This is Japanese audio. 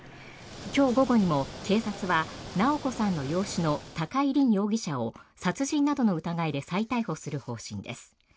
今日午後にも、警察は直子さんの養子の高井凜容疑者を殺人などの疑いで再逮捕する方針です。